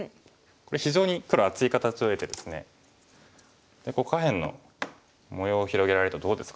これ非常に黒厚い形を得てですね下辺の模様を広げられるとどうですかね。